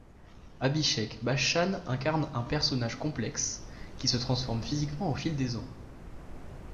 Abhishek Bachchan incarne un personnage complexe, qui se transforme physiquement au fil des ans.